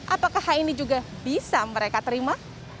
apakah hal ini juga bisa mereka terima